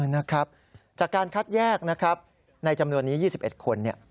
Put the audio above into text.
นะครับจากการคัดแยกนะครับในจำนวนนี้๒๑คน